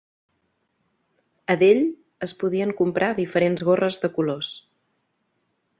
A Dell es podien comprar diferents gorres de colors.